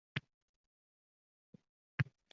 Aslida uyga kiritmasam bo`larkan